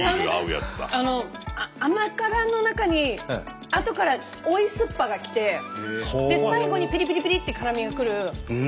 甘辛の中にあとから追いすっぱが来てで最後にピリピリピリって辛みが来る。